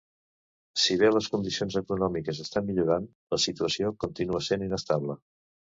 Si bé les condicions econòmiques estan millorant, la situació continua sent inestable.